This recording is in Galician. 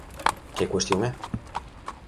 ¿Que cuestión é?